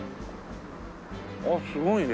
ああすごいね。